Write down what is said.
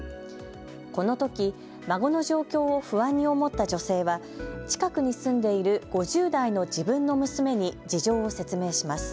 このとき孫の状況を不安に思った女性は近くに住んでいる５０代の自分の娘に事情を説明します。